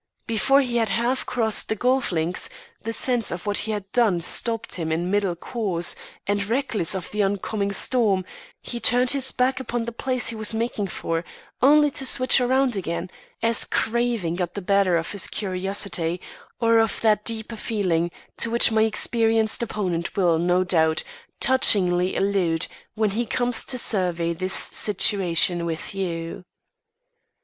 Before he had half crossed the golf links, the sense of what he had done stopped him in middle course, and, reckless of the oncoming storm, he turned his back upon the place he was making for, only to switch around again, as craving got the better of his curiosity, or of that deeper feeling to which my experienced opponent will, no doubt, touchingly allude when he comes to survey this situation with you.